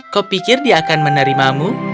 kau pikir dia akan menerimamu